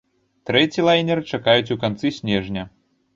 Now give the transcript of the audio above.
Трэці лайнер чакаюць у канцы снежня.